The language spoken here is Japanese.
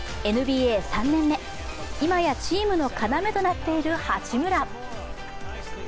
ＮＢＡ、３年目、今やチームの要となっている八村。